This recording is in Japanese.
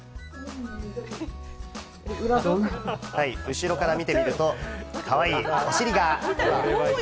後ろから見てみると、かわいいおしりが。